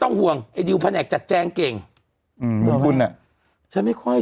ธุรกิจสังหา